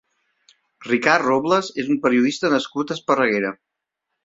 Ricard Robles és un periodista nascut a Esparreguera.